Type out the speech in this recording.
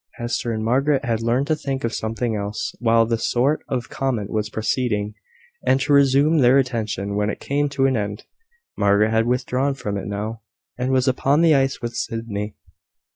Hester and Margaret had learned to think of something else, while this sort of comment was proceeding, and to resume their attention when it came to an end. Margaret had withdrawn from it now, and was upon the ice with Sydney.